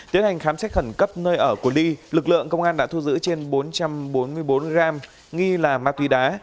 tiến hành khám xét khẩn cấp nơi ở của ly lực lượng công an đã thu giữ trên bốn trăm bốn mươi bốn gram nghi là ma túy đá